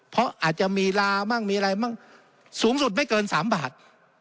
เพราะอาจจะมีลามั่งมีอะไรมั่งสูงสุดไม่เกิน๓บาท